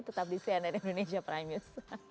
tetap di cnn indonesia prime news